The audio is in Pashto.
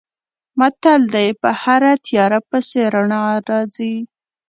متل دی: په هره تیاره پسې رڼا راځي.